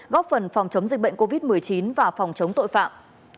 góp phần phòng chống dịch bệnh covid một mươi chín và phòng chống tội phạm